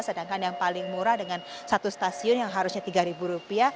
sedangkan yang paling murah dengan satu stasiun yang harusnya rp tiga